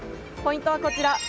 ポイントはこちら。